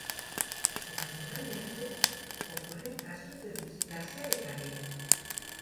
Ocasionalmente, ocurren casos de displasia de cadera.